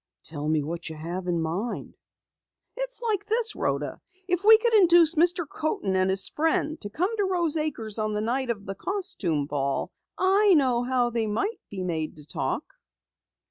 "Tell me what you have in mind." "It's like this, Rhoda! If we could induce Mr. Coaten and his friend to come to Rose Acres on the night of the costume ball, I know how they might be made to talk!"